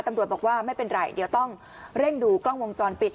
ตำรวจบอกว่าไม่เป็นไรเดี๋ยวต้องเร่งดูกล้องวงจรปิด